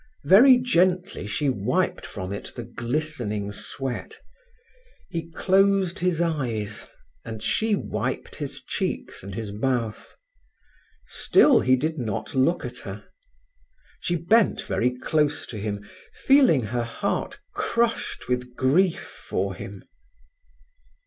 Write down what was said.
Very gently she wiped from it the glistening sweat. He closed his eyes, and she wiped his cheeks and his mouth. Still he did not look at her. She bent very close to him, feeling her heart crushed with grief for him.